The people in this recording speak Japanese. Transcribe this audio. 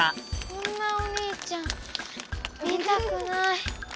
こんなお兄ちゃん見たくない。